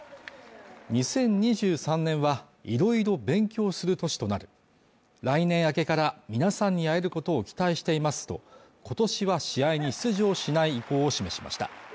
２０２３年はいろいろ勉強する年となる来年明けから皆さんに会えることを期待していますと今年は試合に出場しない意向を示しました